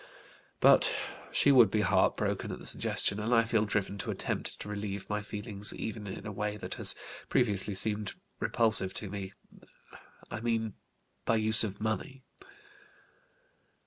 But she would be heart broken at the suggestion and I feel driven to attempt to relieve my feelings even in a way that has previously seemed repulsive to me, I mean by use of money.